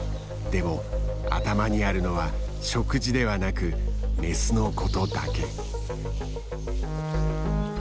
でも頭にあるのは食事ではなくメスのことだけ。